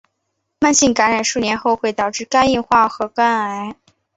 慢性感染数年后会导致肝硬化或肝癌。